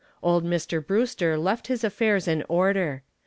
Old Mr. Brewster left his affairs in order.